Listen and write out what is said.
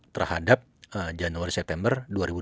terhadap januari september dua ribu dua puluh